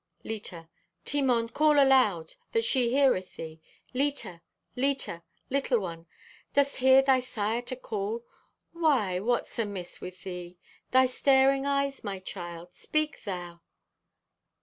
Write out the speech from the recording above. (Leta) "Timon, call aloud, that she heareth thee. Leta! Leta! Little one! Dost hear thy sire to call? Why, what's amiss with thee? Thy staring eyes, my child! Speak thou!"